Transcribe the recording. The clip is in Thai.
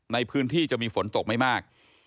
ในพื้นที่จะมีฝนตกไม่มาก